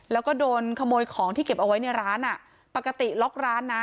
แล้วก็โดนขโมยของที่เก็บเอาไว้ในร้านอ่ะปกติล็อกร้านนะ